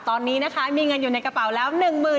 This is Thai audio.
ตอนนี้นะคะมีเงินอยู่ในกระเป๋าแล้ว